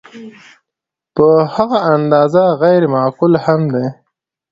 په هغه اندازه غیر معقول هم دی.